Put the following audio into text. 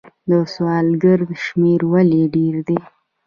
د سوالګرو شمیر ولې ډیر دی؟